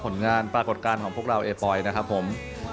ผลงานปรากฏการณ์ของพวกเราเอฟอยนะครับผม